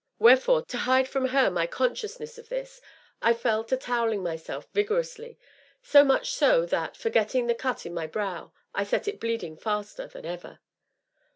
Wherefore, to hide from her my consciousness of this, I fell to towelling myself vigorously, so much so, that, forgetting the cut in my brow, I set it bleeding faster than ever.